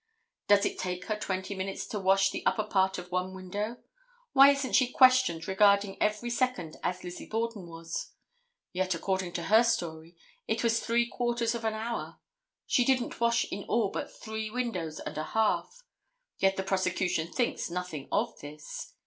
Does it take her twenty minutes to wash the upper part of one window? Why isn't she questioned regarding every second as Lizzie Borden was? Yet, according to her story, it was three quarters of an hour. She didn't wash in all but three windows and a half. Yet the prosecution thinks nothing of this.